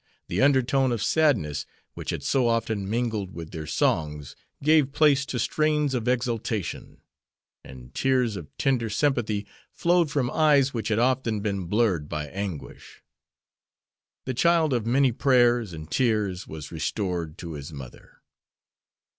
The undertone of sadness which had so often mingled with their songs gave place to strains of exultation; and tears of tender sympathy flowed from eyes which had often been blurred by anguish. The child of many prayers and tears was restored to his mother.